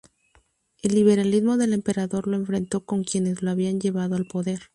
El liberalismo del emperador lo enfrentó con quienes lo habían llevado al poder.